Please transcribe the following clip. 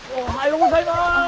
おはようございます。